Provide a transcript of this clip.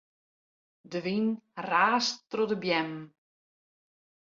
De wyn raast troch de beammen.